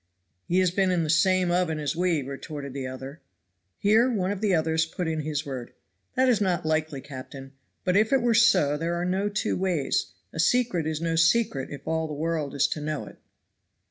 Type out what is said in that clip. "He has been in the same oven as we," retorted the other. Here one of the others put in his word. "That is not likely, captain; but if it is so there are no two ways. A secret is no secret if all the world is to know it."